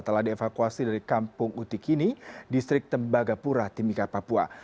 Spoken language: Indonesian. telah dievakuasi dari kampung utikini distrik tembagapura timika papua